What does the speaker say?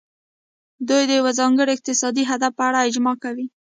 دوی د یو ځانګړي اقتصادي هدف په اړه اجماع کوي